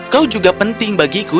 kau juga penting bagiku